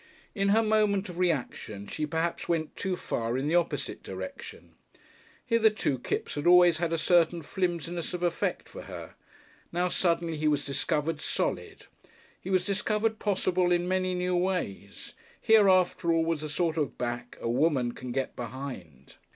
In her moment of reaction she went perhaps too far in the opposite direction. Hitherto Kipps had always had a certain flimsiness of effect for her. Now suddenly he was discovered solid. He was discovered possible in many new ways. Here, after all, was the sort of back a woman can get behind!...